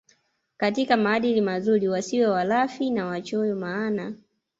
katika maadili mazuri wasiwe walafi na wachoyo maana